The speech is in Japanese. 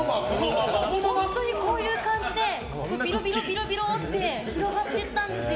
本当にこういう感じでビロビロって広がっていったんですよ。